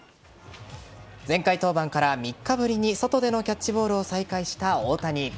前回登板から３日ぶりに外でのキャッチボールを再開した大谷。